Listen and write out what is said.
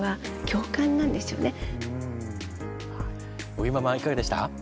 尾木ママいかがでした？